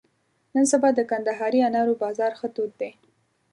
نن سبا د کندهاري انارو بازار ښه تود دی.